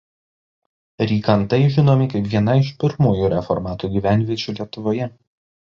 Rykantai žinomi kaip viena iš pirmųjų reformatų gyvenviečių Lietuvoje.